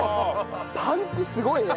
パンチすごいね！